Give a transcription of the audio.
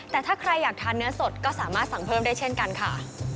แต่ถ้าใครอยากทานเนื้อสดก็สามารถสั่งเพิ่มได้เช่นกันค่ะ